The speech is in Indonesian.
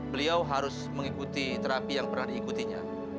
beliau harus mengikuti terapi yang pernah diikutinya